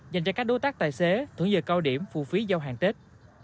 dành cho các đối tác tài xế thưởng giờ cao điểm phụ phí giao hàng tết